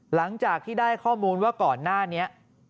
หลังจากที่ได้ข้อมูลว่าก่อนหน้านี้